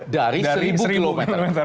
dari seribu km